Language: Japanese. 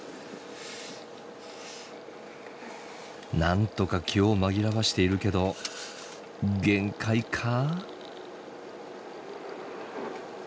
なんとか気を紛らわしているけど限界か？